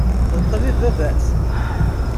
D ṭṭbib baba-s?